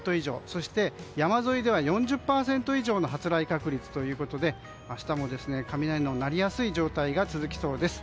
そして、山沿いでは４０％以上の発雷確率ということで明日も雷の鳴りやすい状態が続きそうです。